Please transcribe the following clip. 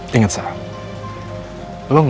dia bukan aprendiz